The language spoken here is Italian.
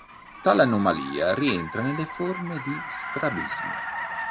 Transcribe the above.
Tale anomalia rientra nelle forme di strabismo.